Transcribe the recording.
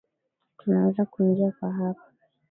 Tunaweza kuingia kwa hapa.